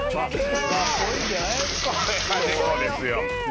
これは猫ですよ。